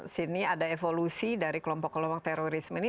sini ada evolusi dari kelompok kelompok terorisme ini